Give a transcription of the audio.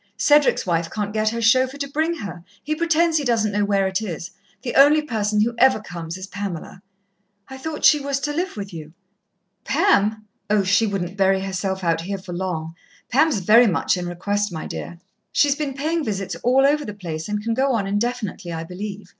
Cedric's wife can't get her chauffeur to bring her he pretends he doesn't know where it is. The only person who ever comes is Pamela." "I thought she was to live with you?" "Pam! Oh, she wouldn't bury herself out here, for long. Pam's very much in request, my dear. She's been paying visits all over the place, and can go on indefinitely, I believe.